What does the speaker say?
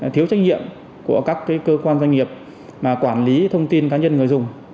thiếu trách nhiệm của các cơ quan doanh nghiệp mà quản lý thông tin cá nhân người dùng